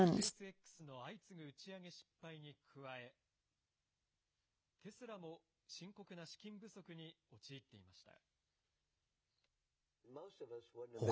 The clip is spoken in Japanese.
スペースＸの相次ぐ打ち上げ失敗に加えテスラも、深刻な資金不足に陥っていました。